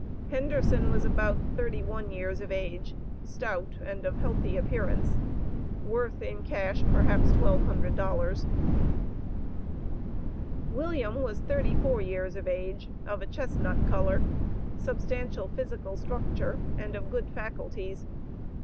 Henderson was about thirty one years of age, stout, and of healthy appearance, worth in cash perhaps $1200. William was thirty four years of age, of a chestnut color, substantial physical structure, and of good faculties.